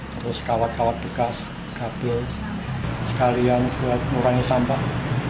terus kawat kawat bekas kabel sekalian buat murahnya sampah